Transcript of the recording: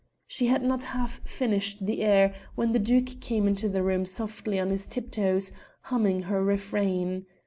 She had not half finished the air when the Duke came into the room softly on his tiptoes, humming her refrain.